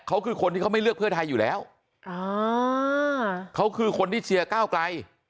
เขาคือคนที่เขาไม่เลือกเพื่อไทยอยู่แล้วเขาคือคนที่เชียร์ก้าวไกล